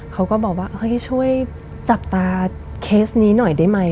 เขาก็บอกว่าเฮ้ยช่วยจับตาเคสนี้หน่อยได้ไหม